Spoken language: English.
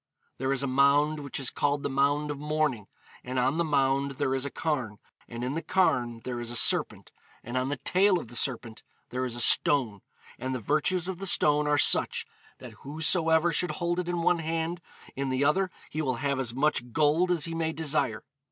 'There is a mound, which is called the Mound of Mourning; and on the mound there is a carn, and in the carn there is a serpent, and on the tail of the serpent there is a stone, and the virtues of the stone are such, that whosoever should hold it in one hand, in the other he will have as much gold as he may desire.